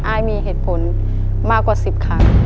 อายมีเหตุผลมากกว่า๑๐ครั้ง